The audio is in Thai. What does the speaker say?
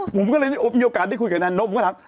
ผมก็เลยมีโอกาสได้คุยกับนายนบผมก็ถาม